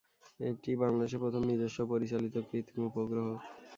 এটিই বাংলাদেশের প্রথম নিজস্ব ও পরিচালিত কৃত্রিম উপগ্রহ।